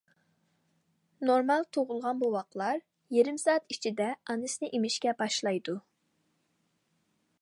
نورمال تۇغۇلغان بوۋاقلار يېرىم سائەت ئىچىدە ئانىسىنى ئېمىشكە باشلايدۇ.